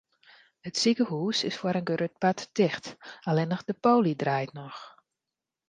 It sikehûs is foar in grut part ticht, allinnich de poly draait noch.